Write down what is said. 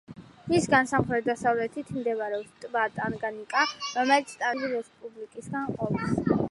მისგან სამხრეთ-დასავლეთით მდებარეობს ტბა ტანგანიიკა, რომელიც ტანზანიას კონგოს დემოკრატიული რესპუბლიკისგან ყოფს.